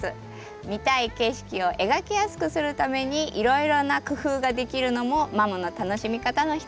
見たい景色を描きやすくするためにいろいろな工夫ができるのもマムの楽しみ方の一つです。